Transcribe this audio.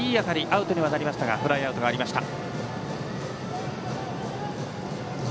アウトにはなりましたがフライアウトがありました。